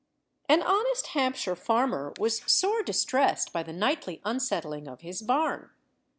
An honest Hampshire farmer was sore distressed by the nightly unsettling of his barn.